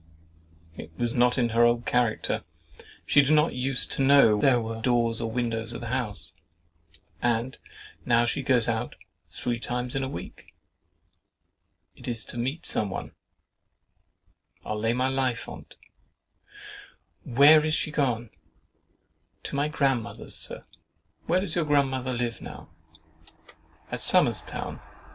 It was not in her old character. She did not use to know there were doors or windows in the house—and now she goes out three times in a week. It is to meet some one, I'll lay my life on't. "Where is she gone?"—"To my grandmother's, Sir." "Where does your grandmother live now?"—"At Somers' Town."